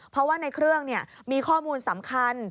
เพราะว่าในเครื่องมีข้อมูลสำคัญ